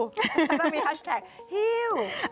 ต้องมีแฮชแท็กฮิว